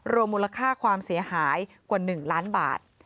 รวมมูลค่าความเสียหายกว่า๑ล้านบาท